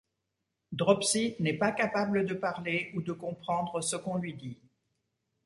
Dropsy n'est pas capable de parler ou de comprendre ce qu'on lui dit.